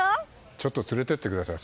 ちょっと連れてってください。